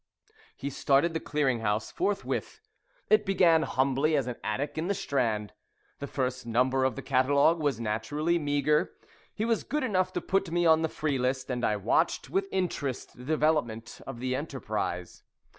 He started the Clearing House forthwith. It began humbly as an attic in the Strand. The first number of the catalogue was naturally meagre. He was good enough to put me on the free list, and I watched with interest the development of the enterprise.